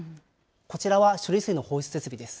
こちらは処理水の放出設備です。